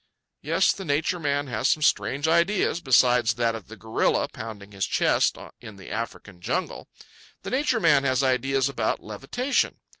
Yes, the Nature Man has some strange ideas besides that of the gorilla pounding his chest in the African jungle. The Nature Man has ideas about levitation.